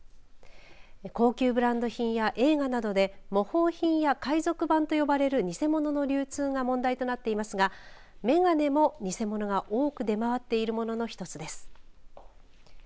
高級ブランド品や映画などで模倣品や海賊版と呼ばれる偽物の流通が問題となっていますが眼鏡も偽物が多く出回っているものの一つです。